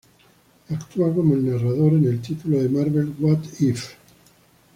Actúa como el narrador en el título de Marvel, "What If".